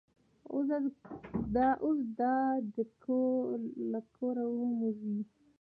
اوس دا دی له کوره هم وځي.